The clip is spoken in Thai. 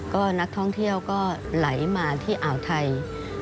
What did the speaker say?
ก็นักท่องเที่ยวก็ไหลมาที่อ่าวไทย